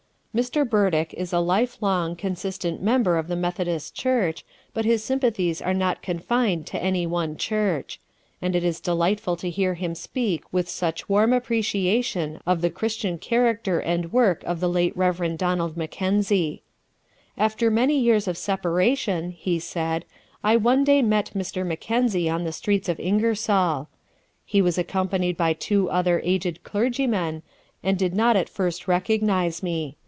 Mr. Burdick is a life long, consistent member of the Methodist Church, but his sympathies are not confined to any one church; and it is delightful to hear him speak with such warm appreciation of the Christian character and work of the late Rev. Donald Mackenzie. "After many years of separation," he said, "I one day met Mr. Mackenzie on the streets of Ingersoll. He was accompanied by two other aged clergymen, and did not at first recognize me.